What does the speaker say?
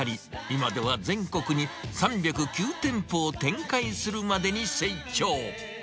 今では全国に３０９店舗を展開するまでに成長。